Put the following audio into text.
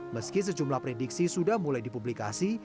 meski sejumlah prediksi sudah mulai dipublikasi